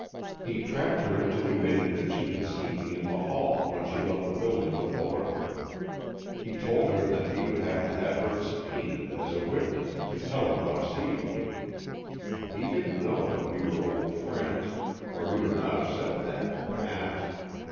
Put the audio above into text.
He trapped her into admitting that she had seen me in the hall when she left the building with Fullerton. He told her that he would have to have her subp[oe]naed as a witness, to tell about seeing me. He didn't know that we were old friends, or he would not have said that, perhaps.